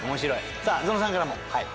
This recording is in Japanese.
さあゾノさんからも。